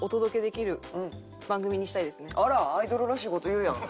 あら！アイドルらしい事言うやん。